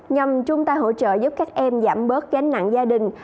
nhằm chúng ta hỗ trợ giúp các em giảm bớt gánh nặng gia đình